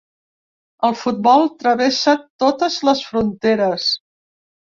El futbol travessa totes les fronteres.